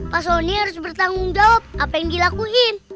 pak soni harus bertanggung jawab apa yang dilakuin